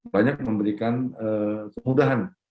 banyak memberikan kemudahan